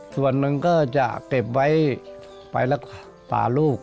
ส่วนหนึ่งก็จะเก็บไว้ไปรักษาลูก